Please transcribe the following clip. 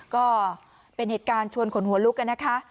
ก็เป็นเหตุการณ์ชวนขนหัวลุกกันนะคะ